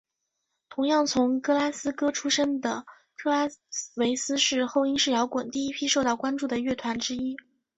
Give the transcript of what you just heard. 同样从格拉斯哥出身的特拉维斯是后英式摇滚第一批受到关注的乐团之一。